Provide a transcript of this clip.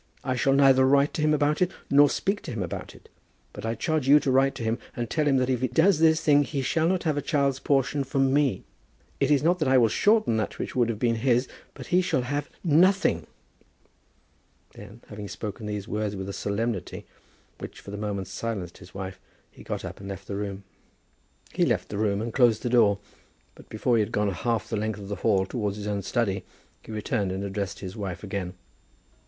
I shall neither write to him about it, or speak to him about it. But I charge you to write to him, and tell him that if he does this thing he shall not have a child's portion from me. It is not that I will shorten that which would have been his; but he shall have nothing!" Then, having spoken these words with a solemnity which for the moment silenced his wife, he got up and left the room. He left the room and closed the door, but, before he had gone half the length of the hall towards his own study, he returned and addressed his wife again.